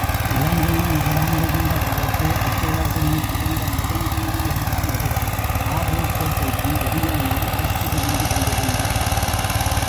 நலங்கிள்ளி நாடாண்டிருந்த காலத்தே, அச்சோழர் குடியிற் பிறந்த நெடுங்கிள்ளி என்பானொருவன் ஆவூர்க்கோட்டைக்கு உரியோனாய் ஆட்சி புரிந்து கொண்டிருந்தான்.